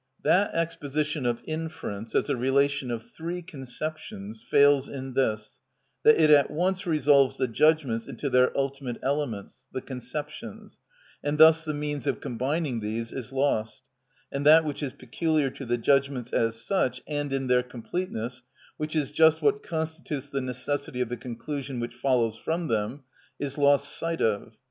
That exposition of inference as a relation of three conceptions fails in this, that it at once resolves the judgments into their ultimate elements (the conceptions), and thus the means of combining these is lost, and that which is peculiar to the judgments as such and in their completeness, which is just what constitutes the necessity of the conclusion which follows from them, is lost sight of.